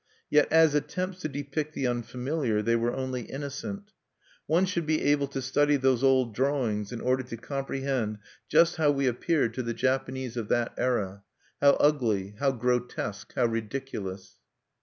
Yet as attempts to depict the unfamiliar they were only innocent. One should be able to study those old drawings in order to comprehend just how we appeared to the Japanese of that era; how ugly, how grotesque, how ridiculous.